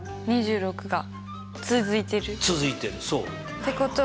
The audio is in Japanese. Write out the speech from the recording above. ってことは。